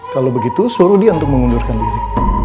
kalau begitu suruh dia untuk mengundurkan diri